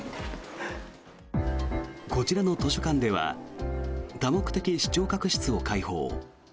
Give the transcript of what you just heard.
こちらの図書館では多目的視聴覚室を開放。